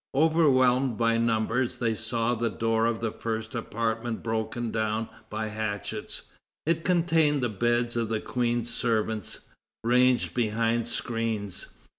Overwhelmed by numbers, they saw the door of the first apartment broken down by hatchets. It contained the beds of the Queen's servants, ranged behind screens.